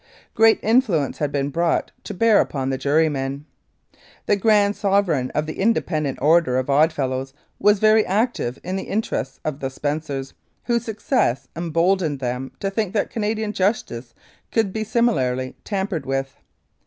Great influence had been brought to bear upon the jurymen. The Grand Sove reign of the Independent Order of Oddfellows was very active in the interests of the Spencers, whose success emboldened them to think that Canadian justice could be similarly tampered with.